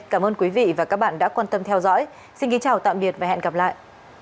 cảm ơn quý vị và các bạn đã quan tâm theo dõi xin kính chào tạm biệt và hẹn gặp lại